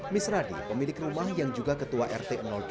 mis radi pemilik rumah yang juga ketua rt delapan